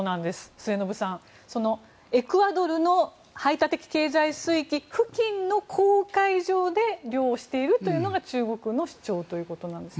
末延さん、エクアドルの排他的経済水域付近の公海上で漁をしているというのが中国の主張ということですね。